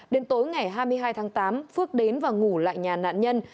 đến tối ngày hai mươi hai tháng tám phước đến và ngủ lại nhà nạn nhân